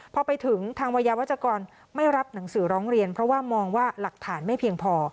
พอไปถึงทางวัยยาวัชกรไม่รับหนังสือร้องเรียนเพราะว่ามองว่าหลักฐานไม่เพียงพอ